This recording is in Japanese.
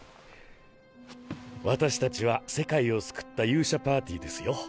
私たちは世界を救った勇者パーティーですよ。